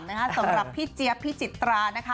สำหรับพี่เจี๊ยปผีจิตรา